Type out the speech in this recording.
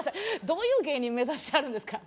どういう芸人目指してはるんですか？